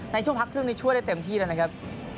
ในช่วงพักครึ่งนี้ช่วยได้เต็มที่แล้วนะครับ